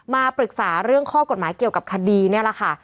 มาปรึกษาเรื่องข้อกฎหมายเกี่ยวกับคดีนี่แหละค่ะ